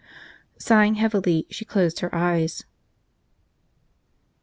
Sighing heavily, she closed her eyes.